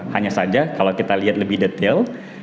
hanya saja kalau kita lihat lebih detail